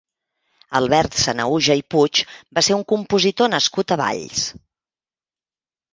Albert Sanahuja i Puig va ser un compositor nascut a Valls.